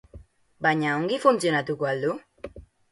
Baina ongi funtzionatuko al du?